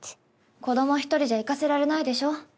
子ども一人じゃ行かせられないでしょ。